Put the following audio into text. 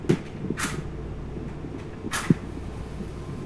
绿岛细柄草为禾本科细柄草属下的一个种。